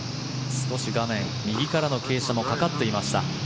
少し画面右からの傾斜もかかっていました。